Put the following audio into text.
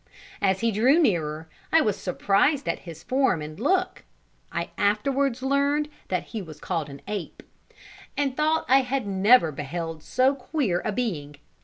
As he drew nearer, I was surprised at his form and look (I afterwards learnt that he was called an ape), and thought I had never beheld so queer a being.